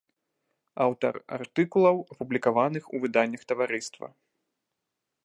Аўтар артыкулаў, апублікаваных у выданнях таварыства.